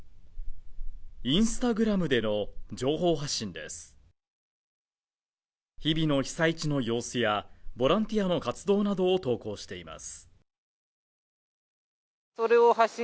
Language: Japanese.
Ｉｎｓｔａｇｒａｍでの情報発信です日々の被災地の様子やボランティアの活動などを投稿しています